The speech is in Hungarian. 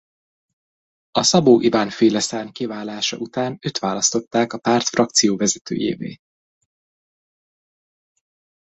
A Szabó Iván-féle szárny kiválása után őt választották a párt frakcióvezetőjévé.